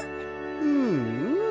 うんうん。